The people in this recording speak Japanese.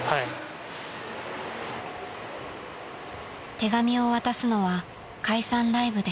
［手紙を渡すのは解散ライブで］